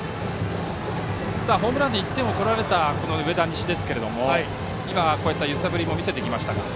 ホームランで１点を取られた上田西ですが揺さぶりも見せてきました。